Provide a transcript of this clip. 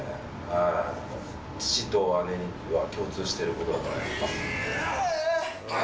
はい父と姉には共通してることだと思いますわあ！